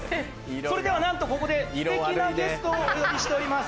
それではなんとここでステキなゲストをお呼びしております。